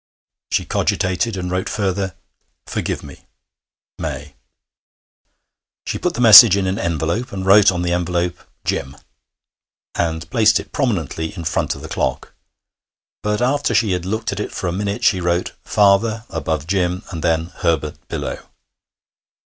She cogitated, and wrote further: 'Forgive me. MAY.' She put the message in an envelope, and wrote on the envelope 'Jim,' and placed it prominently in front of the clock. But after she had looked at it for a minute, she wrote 'Father' above Jim, and then 'Herbert' below.